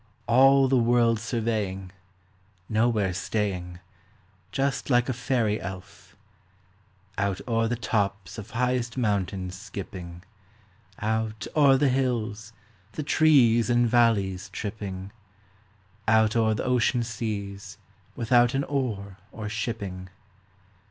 All the world surveying, Nowhere staying, Just like a fairy elf ; Out o'er the tops of highest mountains skipping, Out o'er the hills, the trees and valleys tripping, Out o'er the ocean seas, without an oar or shipping.